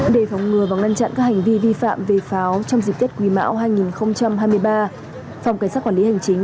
để phòng ngừa và ngăn chặn các hành vi vi phạm về pháo trong dịp tết quý mão hai nghìn hai mươi ba phòng cảnh sát quản lý hành chính